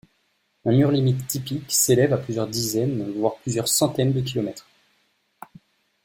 Un mur-limite typique s'élève à plusieurs dizaines, voire plusieurs centaines de kilomètres.